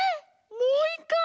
もういっかい！